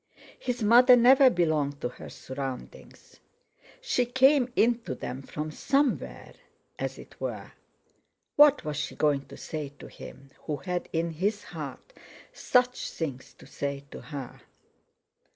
His mother never belonged to her surroundings. She came into them from somewhere—as it were! What was she going to say to him, who had in his heart such things to say to her?